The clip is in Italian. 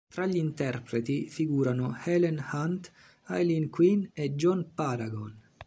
Tra gli interpreti figurano Helen Hunt, Aileen Quinn e John Paragon.